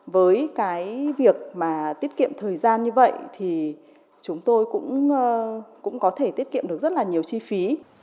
với cái việc mà tiết kiệm thời gian như vậy thì chúng tôi cũng có thể tiết kiệm được rất là nhiều chi phí